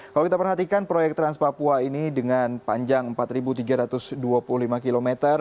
kalau kita perhatikan proyek trans papua ini dengan panjang empat tiga ratus dua puluh lima km